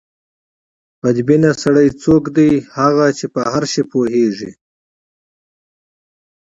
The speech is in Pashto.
بد بینه سړی څوک دی؟ هغه چې په هر شي پوهېږي.